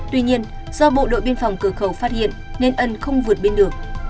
tuy nhiên do bộ đội biên phòng cửa khẩu phát hiện nên ân không vượt biên được